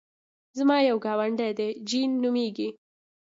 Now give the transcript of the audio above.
زما یو ګاونډی دی جین نومېږي.